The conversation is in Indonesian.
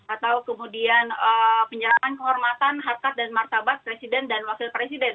atau kemudian penyerahan kehormatan harkat dan martabat presiden dan wakil presiden